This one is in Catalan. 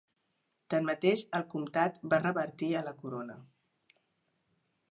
Tanmateix, el comtat va revertir a la corona.